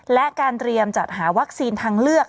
และการเตรียมจัดหาวัคซีนทางเลือก